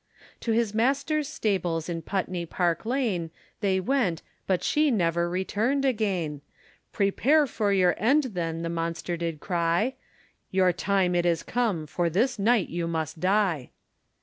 To his master's stables in Putney Park Lane, They went, but she never returned again, Prepare for your end then the monster did cry, You time it is come for this night you must die.